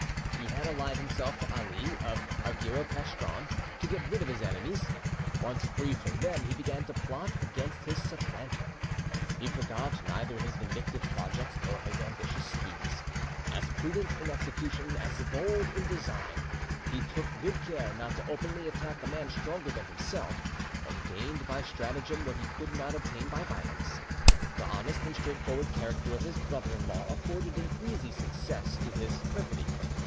He had allied himself to Ali of Argyro Castron to get rid of his enemies; once free from them, he began to plot against his supplanter. He forgot neither his vindictive projects nor his ambitious schemes. As prudent in execution as bold in design, he took good care not to openly attack a man stronger than himself, and gained by stratagem what he could not obtain by violence. The honest and straightforward character of his brother in law afforded an easy success to his perfidy.